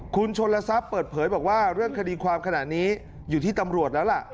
คุณชนลทรัพย์เปิดเผยบอกว่าเรื่องคดีความขนาดนี้อยู่ที่ตำรวจแล้วล่ะ